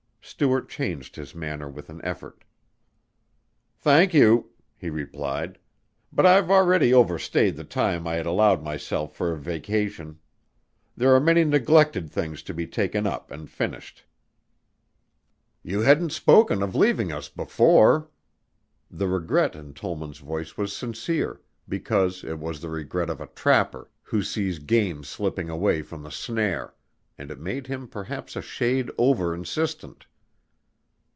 Stuart changed his manner with an effort. "Thank you," he replied. "But I've already over stayed the time I had allowed myself for a vacation. There are many neglected things to be taken up and finished." "You hadn't spoken of leaving us before." The regret in Tollman's voice was sincere, because it was the regret of a trapper who sees game slipping away from the snare, and it made him perhaps a shade over insistent.